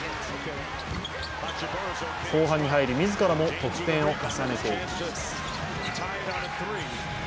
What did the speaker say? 後半に入り、自らも得点を重ねていきます。